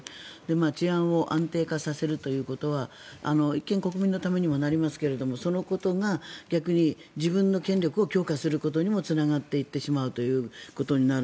治安を安定化させるということは一見、国民のためにもなりますがそのことが逆に自分の権力を強化することにもつながっていってしまうということになる。